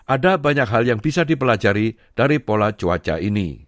ada banyak hal yang bisa dipelajari dari pola cuaca ini